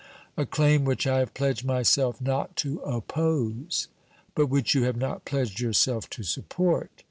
"A claim which I have pledged myself not to oppose." "But which you have not pledged yourself to support.